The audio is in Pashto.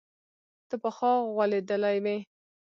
ته پخوا غولېدلى وي.